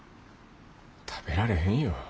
食べられへんよ。